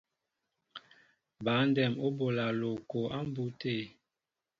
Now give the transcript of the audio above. Băndɛm bola loko a mbu té.